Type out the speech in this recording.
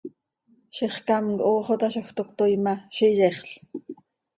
Zixcám quih hoox toozaj, toc cötoii ma, z iyexl.